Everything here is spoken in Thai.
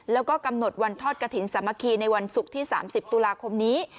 แล้วก็กำหนดวันทอดกระถิ่นสามัคคีในวันศุกร์ที่๓๐ตุลาคมนี้